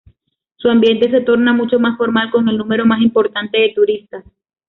Su ambiente se torna mucho más formal con el número más importante de turistas.